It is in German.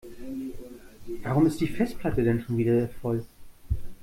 Warum ist die Festplatte denn schon wieder voll?